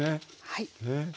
はい。